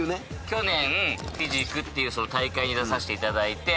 去年フィジークっていう大会に出させていただいて。